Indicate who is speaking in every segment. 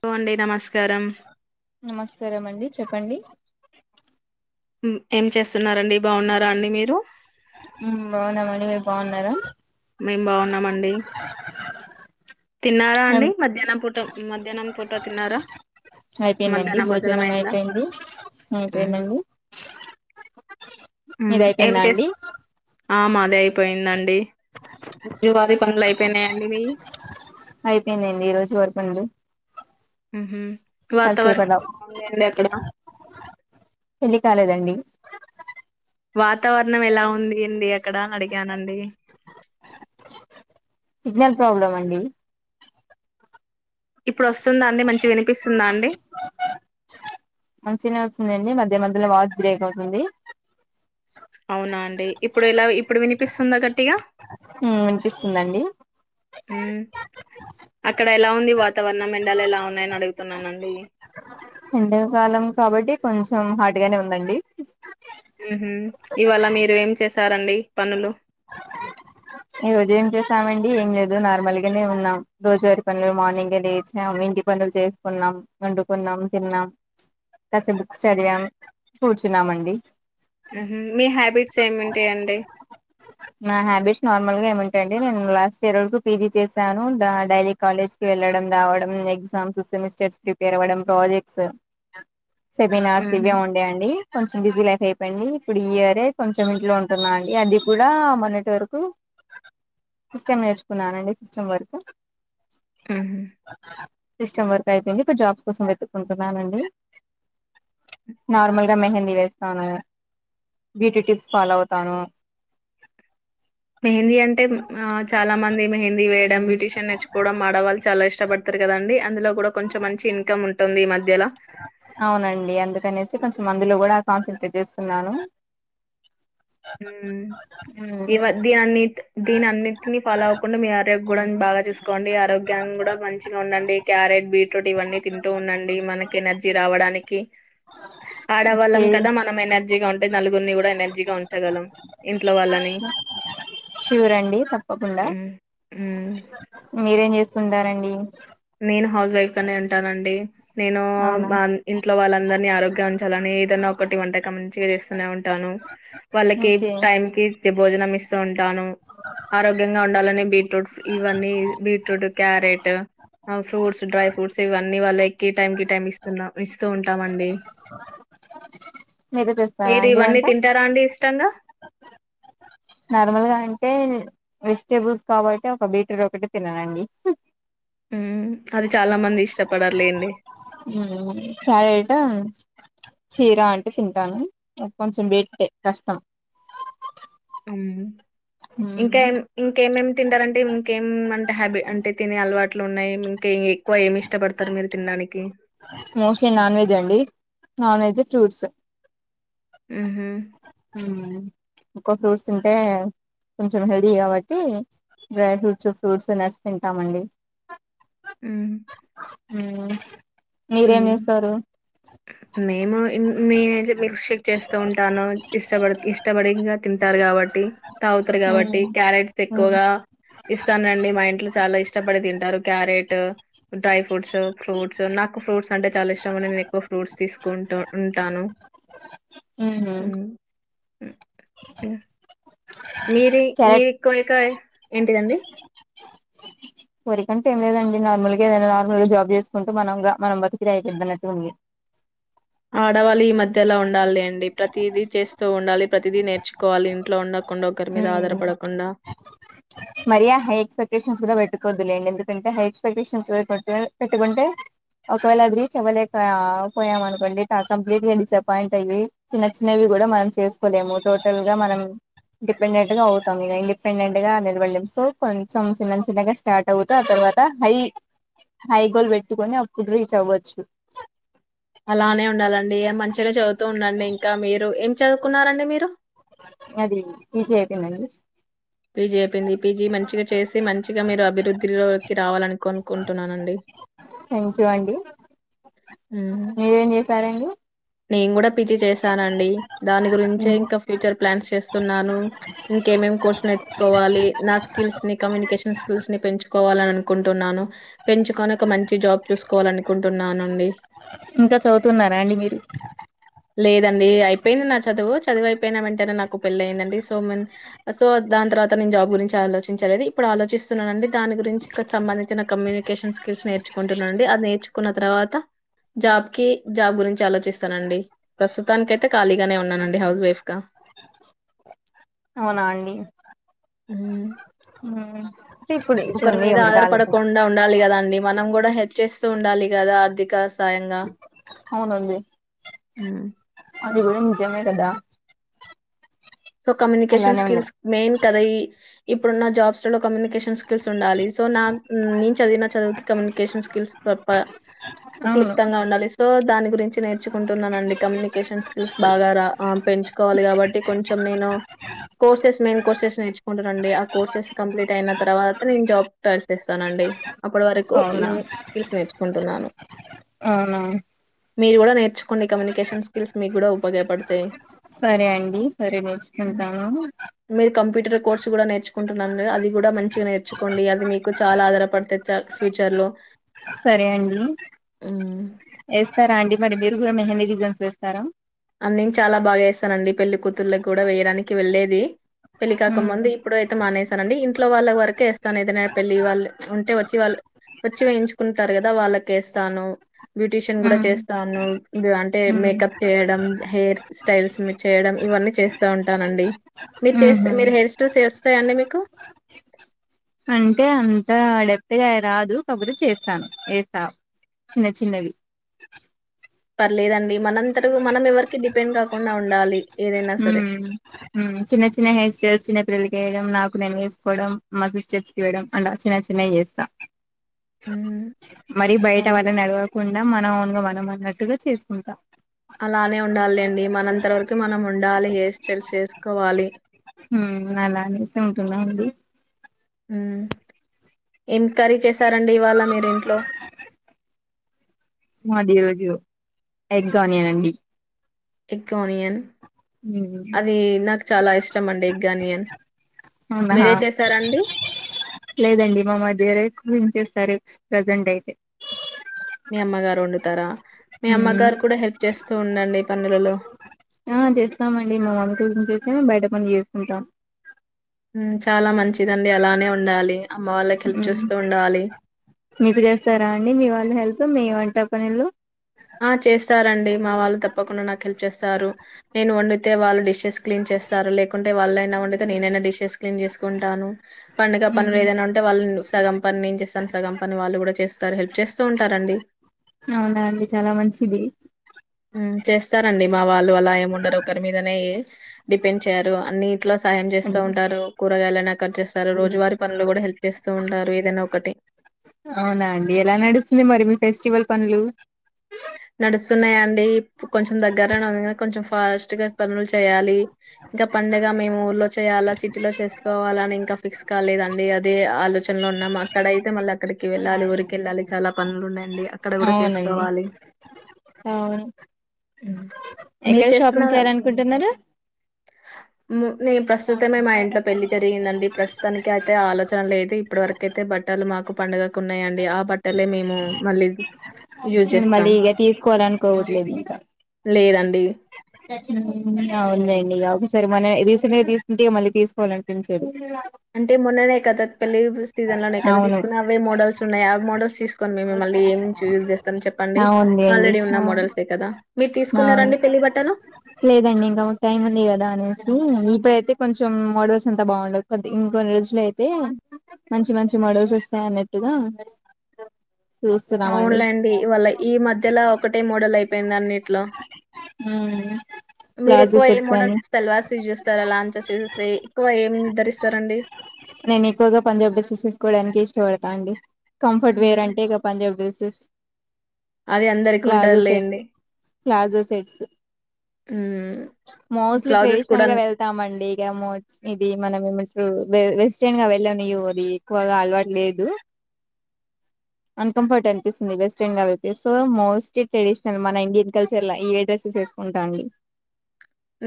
Speaker 1: పోండి నమస్కారం.
Speaker 2: నమస్కారం అండి చెప్పండి.
Speaker 1: మ్ ఏం చేస్తున్నారండి? బావున్నారా అండి మీరు?
Speaker 2: బావున్నారా?
Speaker 1: మేం బావున్నామండి. తిన్నారా అండి మధ్యానం పూట మధ్యానం పూట తిన్నారా
Speaker 2: అయిపోయిందండి
Speaker 1: మధ్యానం భోజనం అయిందా?
Speaker 2: అయిపోయింది
Speaker 1: హ్మ్
Speaker 2: అయిపోయిందండి
Speaker 1: హ్మ్
Speaker 2: మీది
Speaker 1: ఏం
Speaker 2: అయిపోయిందా
Speaker 1: చేస్
Speaker 2: అండి
Speaker 1: ఆ మాది అయిపోయిందండి. యుగాది పనులు అయిపెయినయా అండి మీ
Speaker 2: అయిపెయిందండి ఈరోజు వరకు ఉంది.
Speaker 1: హ్మ్హూ వాతావరణం ఎలాఉంది అండి అక్కడ?
Speaker 2: పెళ్లి కాలేదండి
Speaker 1: వాతావరణం ఎలా ఉంది అండీ అక్కడా అని అడిగానండి.
Speaker 2: సిగ్నల్ ప్రాబ్లం అండి.
Speaker 1: ఇప్పుడు ఒస్తుందా అండి మంచి వినిపిస్తుందా అండి?
Speaker 2: మంచిగనే వచ్చిందండీ, మధ్య మధ్యలో వాచ్ బ్రేక్ అవుతుంది.
Speaker 1: అవునా అండి ఇప్పుడు ఎలా ఇప్పుడు వినిపిస్తుందా గట్టిగా?
Speaker 2: మ్ మంచి ఇస్తుందండి.
Speaker 1: మ్ అక్కడ ఎలా ఉంది వాతావరణం ఎండలు ఎలా ఉన్నాయని అడుగుతున్నానండి?
Speaker 2: ఎండవకాలం కాబట్టి కొంచెం హాట్ గానే ఉందండి.
Speaker 1: హ్మ్హూ ఇవాళ మీరు ఏం చేసారండి పనులు?
Speaker 2: ఈ రోజు ఏం చేసావండి ఏం లేదు నార్మల్ గానే ఉన్నాం. రోజువారీ పనులు మార్నింగే లేచాం, ఇంటి పనులు చేస్కున్నాం, వండుకున్నాం, తిన్నాం. కాసేపు బుక్స్ చదివాం. కూచున్నామండి.
Speaker 1: హ్మ్హూ మీ హ్యాబిట్స్ ఏముంటయండి?
Speaker 2: మామూల్గా ఏమంటే అండీ నేను లాస్ట్ ఇయర్ వరకు పీజీ చేశాను. డైలీ కాలేజ్ కి వెళ్ళడం, రావడం, ఎగ్జామ్స్, సెమిస్టర్స్, ప్రిపేర్ అవడం, ప్రాజెక్ట్స్. సెమినార్స్
Speaker 1: హుహు.
Speaker 2: ఇవే ఉండే అండీ. కొంచెం బిజీ లైఫ్ అయిపోయింది. ఇప్పుడు ఈ ఇయరే కొంచెం ఇంట్లో ఉంటున్నా అండి అది కూడా మొన్నటివరకూ, సిస్టమ్ నేర్చుకున్నానండి, సిస్టమ్ వరకు.
Speaker 1: హుహు.
Speaker 2: సిస్టమ్ వర్క్ అయితుంది ఇప్పుడు జాబ్ కోసం వెతుక్కుంటున్నానండి. నార్మల్ గా మెహందీ వేస్తానూ, బ్యూటీ టిప్స్ ఫాలో అవుతాను.
Speaker 1: మెహందీ అంటే మ్ ఆ చాలామంది మెహందీ వేయ మ్ బ్యూటిషన్ నేర్చుకోవడం కూడా ఆడళ్ళు చాలా ఇష్టపడతారు కదండీ అందులో కూడా కొంచెం మంచి ఇన్కమ్ ఉంటుంది ఈ మధ్య
Speaker 2: అవునండి అందుకనేసి కొంచెం మందులో కూడా కాన్సల్ట్రేట్ చేస్తున్నాను మ్మ్.
Speaker 1: ఇవ దీని అన్ని దీని అన్నిటిని ఫాలో అవ్వకుండా మీ ఆరోగ్య కూడా బాగా చూసుకోండి ఆరోగ్యం కూడా మంచిగా ఉండండి క్యారెట్ బీట్రూట్ ఇవన్నీ తింటూ ఉండండి మనకి ఎనర్జీ రావడానికి ఆడవాళ్ళం
Speaker 2: ఓకే
Speaker 1: కదా మనం ఎనర్జీగా ఉంటే నలుగురిని కూడా రంజి
Speaker 2: షూర్ అండి తప్పకుండా
Speaker 1: మ్మ్
Speaker 2: మీరేం చేస్తుంటారండి అ
Speaker 1: నేను హౌస్ వైఫ్ గానే ఉంటానండి నేను
Speaker 2: అవునా
Speaker 1: మా ఇంట్లో వాళ్ళందరినీ ఆరోగ్యం ఉంచాలని ఏదన్నా ఒకటి వంటకం మంచిగా చేస్తూనే ఉంటాను వాళ్ళకి
Speaker 2: ఓకే
Speaker 1: టైం కి అతే భోజనం ఇస్తూ ఉంటాను ఆరోగ్యంగా ఉండాలని బీ బీట్రూట్ ఇవన్నీ బీట్రూట్ క్యారెట్ ఆ ఫ్రూట్స్ డ్రై ఫ్రూట్స్వన్నీ వాళ్ళ ఎక్కి టైం కి టైమ్ ఇస్తున్నాం ఇస్తూ ఉంటామండి
Speaker 2: మీరు చేస్తారా
Speaker 1: మీరు
Speaker 2: అండి
Speaker 1: ఇవన్నీ
Speaker 2: వంట
Speaker 1: తింటారా అండి ఇష్టంగా
Speaker 2: నార్మల్ గా అంటే వెజిటేబుల్స్ కాబటి ఒక బీటర్ ఒకటి తినదండి
Speaker 1: అది చాలా మంది ఇష్టపడారులేండి
Speaker 2: ట హీరా అంటే తింటాను కొంచెం పెట్టే కష్టం
Speaker 1: అ ఇంకాం ఇంకేమేమి తింటారంటే ఇంకేం అంటే హ్యాబి అంటే తినే అలవాట్లు ఉన్నాయి ఇంకే
Speaker 2: మోస్ట్లీ నాన్ వెజ్ అండి నాన్ వెెజ్ ఫ్రూట్స్
Speaker 1: ఆహ
Speaker 2: ఇంకో ఫ్రూట్స్ ఉంటే కొంచెం హెల్దీ కాబట్టి డ్రై ఫ్రూట్స్ ఫ్రూట్స్ నట్స్ తింటామండి
Speaker 1: అ
Speaker 2: ఉ
Speaker 1: మేము నేనైతే మిల్క్ షేక్ చేస్తూ ఉంటాను ఇష్టపడి ఇష్టపడి తింటారు కాబట్టి తాగుతారు కాబట్టి క్యారెట్స్ ఎక్కువగా ఇస్తానండి మా ఇంట్లో చాలా ఇష్టపడి తింటారు క్యారెట్ డ్రై ఫ్ర ఫుట్స్ ఫ్రూట్స్ నాకు ఫ్రూట్స్ అంటే చాలా ఇష్టం అంటే నేను ఎక్కువ ఫ్రూట్స్ తీసుకుంటూ ఉంటాను ఇ మీరి
Speaker 2: క్యారెట్
Speaker 1: మీరు [inaudible] ఏంటిదండి
Speaker 2: కోరికంటే ఏం లేదండి నార్మల్గా ఏదైనా నార్మల్గా జాబ్ చేసుకుంటూ మన మనం బతికినా అయిపోద్దన్నట్టు ఉంది
Speaker 1: ఆడవాళ్ళు ఈ మధ్యలా ఉండాలిలేండి. ప్రతీదీ చేస్తూ ఉండాలి. ప్రతీదీ నేర్చుకోవాలి. ఇంట్లో ఉండకుండా ఒకరి మీద ఆధారపడకుండా.
Speaker 2: మరి హై ఎక్స్పెక్టేషన్స్ కూడా పెట్టుకోవద్దులేండి ఎందుకంటే హై ఎక్స్పెక్టేషన్స్ పెట్టుకుంటే ఒకవేళ అది రీచ్ అవ్వలేక పోయాం అనుకోండి కంప్లీట్ గా డిసప్పాయింట్ అయి చిన్న చిన్నవి కూడా మనం చేసుకోలేము టోటల్ గా మనం డిపెండెంట్ గా అవుతాం ఇక ఇండిపెండెంట్ గా నిలబడలేం సో కొంచెం చిన్న చిన్నగా స్టార్ట్ అవుతే ఆ తర్వాత హై హై గోల్ పెట్టుకని అప్పుడు రీచ్ అవ్వచ్చు.
Speaker 1: అలానే ఉండాలండ్ ఇగ మంచిగానే చదువుతూ ఉండండి ఇంకా మీరు చదువుకున్నారండి మీరు
Speaker 2: నాది పీజీ అయిపోయింది అండి
Speaker 1: పీజీ అయిపోయింది పీజి మంచిగా చేసి మంచిగా మీరు అభివృద్ధిలోకి రావాలని కొనుకుంటున్నానండి
Speaker 2: థ్యాంక్ యూ అండి
Speaker 1: హుహ్
Speaker 2: మీరేం చేశారండి
Speaker 1: నేను కూడా పీజీ చేసానండి దాని గురించే ఇంకా ఫ్యూచర్ ప్లాన్స్ చెస్ న్నాను ఇంకా ఏమేమేం కోర్స్ నేర్స్ కోవాలి నా స్కిల్స్ ని కమ్యూనికేషన్ స్కిల్స్ ని పెంచుకోవాలిని అనుకుంటున్నాను పెంచుకొని ఒక మంచి జాబ్ చూసుకోవాలి అనుకుంటున్నానండి
Speaker 2: ఇంకా చదువుతున్నారా అండి మీరు
Speaker 1: లేదండి అయిపోయింది నా చదువు చదువు అయిపోయిన వెంటనే నాకు పెళ్లి అయిందండి సో ఆ సో దాని తర్వాత నేను జాబ్ గురించి ఆలోచించాలలేదు ఇప్పుడు ఆలోచిస్తున్నానునండి. దాని గురించి ఇక్కడ సంబంధించిన కమ్యూని నికేషన్ స్కిల్స్ నేర్చుకుంటున్నాండి అది నేర్చుకున్న తర్వాత జాబ్ కి జాబ్ గురించి ఆలోచిస్తానండి ప్రస్తుతానికి అయితే ఖాళీగానే ఉన్నానండి హౌస్ వైఫ్గా
Speaker 2: అవునా అండ్ హ్
Speaker 1: ఒకరి మీద ఆధారపడకుండా ఉండాలి కదా అండి మనం కూడా హే చేస్తూ ఉండాలి కదా ఆర్థిక సాయంగా
Speaker 2: అవునండి అది కూడా నిజమే కదా
Speaker 1: సో కమ్యూనికేషన్
Speaker 2: అలానే ఉంది
Speaker 1: స్కిల్స్ మెయిన్ కదా ఈ ఇప్పుడు నా జాబ్స్ లో కమ్యూనికేషన్ స్కిల్స్ ఉండాలి సో నా నేను చదివిన చదువు కమ్యూనికేషన్ స్కిల్స్ క్లాప్ప
Speaker 2: అవును
Speaker 1: క్లుప్తంగా ఉండాలి సో దాని గురించి నేర్చుకుంటున్నానండి కమ్యూనికేషన్ స్కిల్స్ బాగా రా పెంచుకోవాలి కాబట్టి కొంచెం నేను కోర్సెస్ మెయిన్ కోర్సెస్ నేర్చుకుంటానండి ఆ కోర్సెస్ కంప్లీట్ అయిన తర్వాత నేను జాబ్ ట్రయల్ చేస్తానండి అప్పటి వరకు
Speaker 2: అవునా
Speaker 1: ఇన్ స్కిల్స్ నేర్చుకుంటా టున్నను
Speaker 2: అవునా
Speaker 1: మీరు కూడా నేర్చుకోండి కమ్యూనికేషన్ స్కిల్స్ మీకు కూడా ఉపయోగపడతాయి.
Speaker 2: సరే అండి సరే నేర్చుకుంటాను
Speaker 1: మీరు కంప్యూటర్ కోర్స్ కూడా నేర్చుకుంటున్నాండి అది కూడా మంచిగా నేర్చు తెచ్చుకోండి అది మీకు చాలా ఆధారపడితే ఫ్యూచర్ లో
Speaker 2: సరే అండి
Speaker 1: మ్మ్
Speaker 2: వేస్తారా అండి మరి మీరు కూడా మెహంది డిజైన్స్ వేస్తారా
Speaker 1: అన్నిమ్ చాలా బాగా వేస్తానండి పెళ్లికూతుళ్ళకి కూడా వేయడానికి వెళ్ళేది పెళ్లికాక
Speaker 2: ఉమ్
Speaker 1: ముందు ఇప్పుడు అయితే మానేసానండి ఇంట్లో వాళ్ళ వరక్ వేస్తాను ఏదైనా పెళ్ళి వాళ్ళు ఉంటే వచ్చి వాళ్ళు వచ్చి వేయించుకుంటారు కదా వాళ్ళకెస్తాను బ్యూటీషియన్ కూడా చేస్తాను ఉమ్ అంటే
Speaker 2: ఉమ్
Speaker 1: మేకప్ చేయడ్ హెయిర్ స్టైల్స్ చేయడం ఇవన్నీ చేస్తా ఉంటానండి మీరు చేస్
Speaker 2: ఉహు
Speaker 1: మీరు హెర్స్ టు సేఫ్స్ వస్తాయండి మీకు
Speaker 2: అంటే అంత అడెప్పగా రాదు కాకపోతే చేస్తాను వేస్తా చిన్న చిన్నవి
Speaker 1: పర్లేదండి మనంత మనంవరికి డిపెండ్ కా కుండా ఉండాలి ఏదైనా
Speaker 2: ఉమ్
Speaker 1: సరే.
Speaker 2: హుమ్ చిన్న చిన్న హెయిర్ స్టల్ చిన్న పెళ్లికి యేయిడం నాకు నేను వేసుకోవడం మా సిస్టెర్స్ వేయడం అంటే చిన్న చిన్నవి చేస్తాను
Speaker 1: హ్మ్.
Speaker 2: మరి బయట
Speaker 1: హ్మ్.
Speaker 2: ఎవరిని అడవకుండా మన ఓన్ మనం అన్నట్టుగా చేసుకుంటాం
Speaker 1: అలానే ఉండాలెండి మనంత వరకు మనం ఉండాలి హెయిర్ స్టైల్స్ చేసుకోవాలి.
Speaker 2: ఉమ్ అలానే సామ్ కదా అడి
Speaker 1: ఉమ్ ఏం కర్రీ చేశారండి ఇవాళ మీరింట్లో
Speaker 2: మాది ఈ రోజు ఎగ్ ఆనియన్ అండి
Speaker 1: ఎగ్ ఆనియన్
Speaker 2: ఉమ్
Speaker 1: అది నాకు చాలా ఇష్టం అండి ఎగ్ గానియన్
Speaker 2: అవునాహా లేదండి మా మర్ది గారే క్లీన్ చేస్తారు ప్రెసెంట్ అయితే
Speaker 1: మీ అమ్మగారు వండుతారా మీ అమ్మగారు కూడా హెల్ప్ చేస్తూ ఉండండి పనులలో.
Speaker 2: ఆ చేస్తామండి మా మమ్మ గురించి చేసా బయట పని చేసుకుంటాం
Speaker 1: ఉమ్ చాలా మంచిదండి అలానే ఉండాలి అమ్మ వాళ్ళకి హెల్ప్
Speaker 2: ఉమ్
Speaker 1: చేస్తూ ఉండాలి.
Speaker 2: మీకు చేస్తారా అండి మీ వాళ్ళు హెల్ప్ మీ వంట పనిళ్ళలు
Speaker 1: ఆ చేస్తారండి మా వాళ్ళు తప్పకుండా నాకు హెల్ప్ చేస్తారు నేను వండితే వాళ్ళు డిషెస్ క్లీన్ చేస్తారు లేకుంటే వాళ్ళ నా ఉండిద్ తే నేనైనా డిషెస్ క్లీన్ చేసుకుంటాను పండుగ పనులు
Speaker 2: ఉమ్
Speaker 1: ఏదైనా ఉంటే వాళ్ళన్ సగం పన్ నేన్ చేస్తాను, సగంపనీ వాళ్ళు కూడా చేస్తారు, హెల్ప్ చేస్తూ ఉంటారండి.
Speaker 2: అవునా అండి చాలా మంచిది
Speaker 1: హ్మ్ చేస్తారండి మా వాళ్ళు అలా ఏం ఉండరు ఒకరి మీదనే డిపెండ్ చేయరు అన్ని. ట్లా సాయం చేస్తూ
Speaker 2: అండి.
Speaker 1: ఉంటారు ప్రయాలన క్ కట్ చేస్తారు రోజువారి పనులు కూడ హెల్ప్ చేస్తూ ఉంటారు ఏదైనా ఒకటి
Speaker 2: అవునా అండి ఎలా నడుస్తుంది మరి మీ ఫెస్టివల్ పనులు
Speaker 1: నడుస్తున్నాయండి కొంచెం దగ్గరనే ఉంది క కొంచెం ఫాస్ట్గా పనులు చేయాలి, ఇంకా పండగ మేము ఊర్లో చేయాలా, సిటీలో చేసుకోవాలని, ఇంకా ఫిక్స్ కాలేదండి అదే ఆలోచనలో ఉన్నాం. అక్కడ అయితే మళ్ళీ అక్కడికి వెళ్ళాలి ఊరికి వెళ్ళాలి చాలా పనులు ఉన్నాయండి. అక్కడ కూడా చేసుకోవాలి
Speaker 2: ఆవున్
Speaker 1: మ్
Speaker 2: ఎక్కడ షాపింగ్ చేయాల అనుకుంటున్నారు
Speaker 1: నే ప్రస్తుతమే మా ఇంట్లో పెళ్లి జరిగిందండి. ప్రస్తుతానికి అయితే ఆలోచన లేదు, ఇప్పటి వరకు అయితే బట్టలు మాకు పండుగకు ఉన్నాయంండి, ఆ బట్టలే మేము మళ్ళీ. యూజ జే
Speaker 2: నేను
Speaker 1: స్
Speaker 2: మళ్ళీ ఇగ తీసుకోవాలనుకోవట్లేదు ఇంకా
Speaker 1: లేదండి
Speaker 2: హ్మ్ అవున్లెండి ఇగ ఒకసారి మనం రీసెంట్ గా తీసుకుంటే మళ్ళీ తీసుకోవాల అనిపించదు.
Speaker 1: అంటే మొన్ననే కదా పళ్లి బు స్ సీజన్ లోనే కదా
Speaker 2: అవును,
Speaker 1: తీసుకున్న అవే మోడల్స్ ఉన్నాయా మోడస్ తీస్ కొని మేం మళ్ళీ ఏం యూజ్ చేస్తాం చెప్పండి, ఆల్రెడీ ఉన్న మోడల్సే కదా. మీరు
Speaker 2: అవున్
Speaker 1: తీసుకున్నారండి పెళ్లి బట్టలు
Speaker 2: లేదండి ఇంకా ఒక టైం ఉంది కదా అనేసి ఈ ఇప్పుడైతే కొంచెం మోడల్స్ అంతా బాగుండదు కొ ఇం కొన్ని రోజులు అయితే, మంచి మంచి మోడల్స్ వస్తాయి అన్నట్టుగా. చూస్తున్నామండి
Speaker 1: అవునులేండి ఇ వాళ్ళ ఈ మధ్యల ఒకటే మోడల్ అయిపోయింది అన్నిట్లో మీరు
Speaker 2: ప్లాజో
Speaker 1: ఎక్కువ ఏ
Speaker 2: సెట్స్ అని
Speaker 1: మోడల్స్ సల్వార్స్ యూజ్ చేస్తారా అలాన్ చూసేసి ఎక్కువ ఏం ధరిస్తారండి.
Speaker 2: నేను ఎక్కువగా పంజాబ్ డ్రెస్సెస్ ఏసుకోడానికే ఇష్టపడతా అండి. కంఫర్ట్ వేర్
Speaker 1: హ్మ్.
Speaker 2: అంటే ఇగ పంజాబ్ డ్రెస్ జెస్
Speaker 1: అది అందరికి
Speaker 2: ప్లాజో సెట్స్,
Speaker 1: ఉంటదిలేండి
Speaker 2: ప్లాజో సెట్స్,
Speaker 1: మ్మ్.
Speaker 2: మోస్ట్లీ
Speaker 1: బ్లౌజెస్
Speaker 2: ట్రెడిషనల్
Speaker 1: కూడా
Speaker 2: గా వెళ్తామండి, ఇగ మో ఇది మన ఏం అంటరు. వె వెజ్ వెస్ట్రన్ గా వెళ్ళను అది ఎక్కువగా అలవాటు లేదు అన్కంఫర్ట్ అనిపిస్తుంది వెస్ట్రన్ గా వెళ్తే సో మోస్ట్లీ ట్రెడిషనల్ మన ఇండియన్ కల్చర్ ల ఇవే డ్రెసెస్ వేసుకుంటా అండి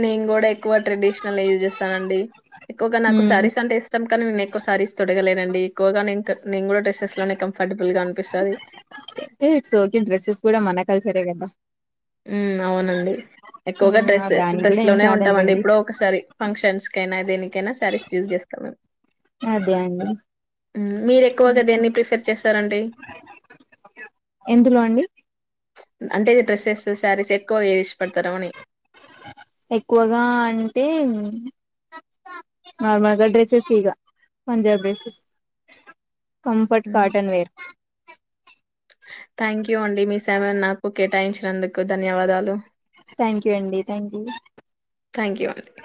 Speaker 1: నేను కూడా ఎక్కువ ట్రెడిషనల్ యూజ్ చేస్తానండి ఎక్కువగా నాకు
Speaker 2: ఉమ్
Speaker 1: శారీస్ అంటే ఇష్టం కనీ నేనెక్కొ సారిస్ తొడగలేనండి కో గానే ఇంటర్ నేను కూడా డ్రెస్సెస్ లోనే కంఫర్టబుల్ గా అనిపిస్తది
Speaker 2: అంటే ఇట్స్ ఓకే డ్రెస్సెస్ కూడా మన కల్చరే కదా
Speaker 1: ఊ అవునండి ఎక్కువగా
Speaker 2: ఉమ్
Speaker 1: డ్రెస్
Speaker 2: దానికి
Speaker 1: డ్రెస్
Speaker 2: కూడా ఏం
Speaker 1: లోనే ఉంటామండి
Speaker 2: కాదంలేండి
Speaker 1: ఎప్పుడో ఒకసారి ఫంక్షన్స్ కెనాదిని
Speaker 2: అదే అండి
Speaker 1: మీర్
Speaker 2: ఉమ్
Speaker 1: ఎక్కువగా దేని ప్రిఫెర్ చేస్తారండీ
Speaker 2: ఎందులో అండి
Speaker 1: అంటే డ్రెస్సెస్ నువ్ శారీస్ ఎక్కువ ఏష్ పెడతనవని
Speaker 2: ఎక్కువగా అంటే నార్మల్గా డ్రెస్సెస్ ఇగ Punjab dresses comfort cotton wear
Speaker 1: thank you అండి మీ సమ నాకు కేటాయించినందుకు ధన్యవాదాలు
Speaker 2: థాంక్ యు
Speaker 1: థ్యాంక్ యూ అండి